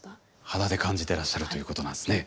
肌で感じてらっしゃるということなんですね。